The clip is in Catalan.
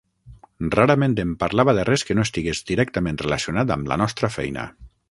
Rarament em parlava de res que no estigués directament relacionat amb la nostra feina.